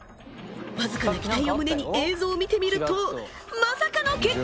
わずかな期待を胸に映像を見てみるとまさかの結果が！